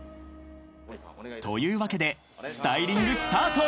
［というわけでスタイリングスタート！］